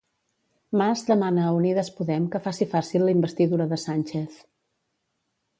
Mas demana a Unides Podem que faci fàcil la investidura de Sánchez.